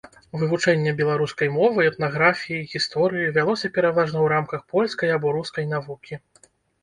Вывучэнне беларускай мовы, этнаграфіі, гісторыі вялося пераважна ў рамках польскай або рускай навукі.